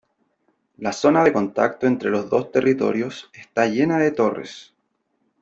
La zona de contacto entre los dos territorios está llena de torres.